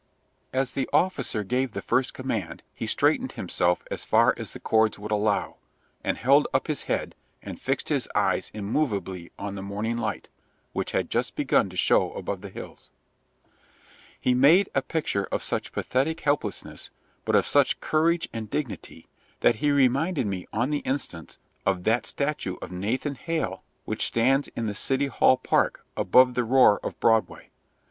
As the officer gave the first command he straightened himself as far as the cords would allow, and held up his head and fixed his eyes immovably on the morning light, which had just begun to show above the hills. He made a picture of such pathetic helplessness, but of such courage and dignity, that he reminded me on the instant of that statue of Nathan Hale which stands in the City Hall Park, above the roar of Broadway.